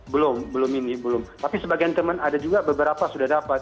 belum belum ini belum tapi sebagian teman ada juga beberapa sudah dapat